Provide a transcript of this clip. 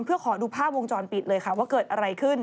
เพื่อขอดูภาพวงจรปิดเลยค่ะว่าเกิดอะไรขึ้น